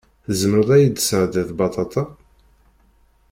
Tzemreḍ ad yid-tesɛeddiḍ baṭaṭa?